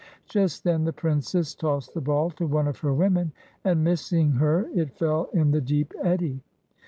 Just then the princess tossed the ball to one of her women, and missing her it fell in the deep eddy.